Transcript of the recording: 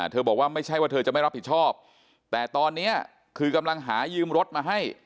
บอกว่าไม่ใช่ว่าเธอจะไม่รับผิดชอบแต่ตอนนี้คือกำลังหายืมรถมาให้